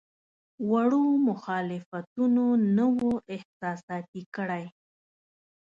وړو مخالفتونو نه وو احساساتي کړی.